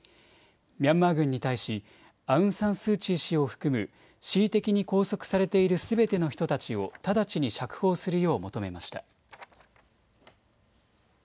ミャンマー軍に対しアウン・サン・スー・チー氏を含む恣意的に拘束されているすべての人たちを直ちに釈放するよう求めました。